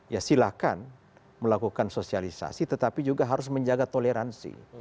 ya silahkan melakukan sosialisasi tetapi juga harus menjaga toleransi